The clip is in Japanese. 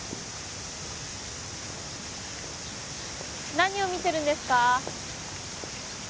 何を見てるんですか？